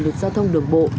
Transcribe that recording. lực giao thông đường bộ